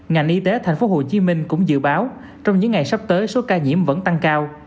ngành y tế tp hcm cũng dự báo trong những ngày sắp tới số ca nhiễm vẫn tăng cao